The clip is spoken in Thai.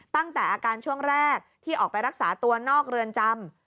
ตั้งแต่อาการช่วงแรกที่ออกไปรักษาตัวนอกเรือนจำ